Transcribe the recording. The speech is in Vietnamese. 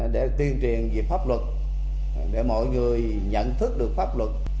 để tiên triền về pháp luật để mọi người nhận thức được pháp luật